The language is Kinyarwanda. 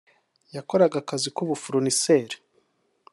yakoraga akazi k’ubu fournisseur